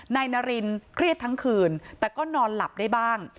นายนารินเครียดทั้งคืนแต่ก็นอนหลับได้บ้าง